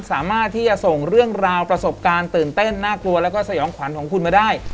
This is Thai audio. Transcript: สามารถที่จะส่งเรื่องราวประสบการณ์ตื่นเต้นน่ากลัวแล้วก็สยองขวัญของคุณมาได้